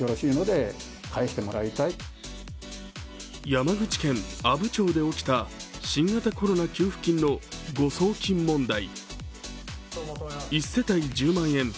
山口県阿武町で起きた新型コロナ給付金の誤送金問題。